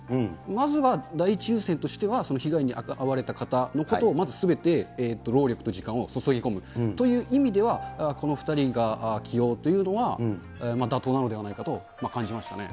まずは第一優先としては、被害に遭われた方の救済にまずすべて、労力を時間を注ぎ込むという意味では、この２人が起用というのは、妥当なのではないかと感じましたね。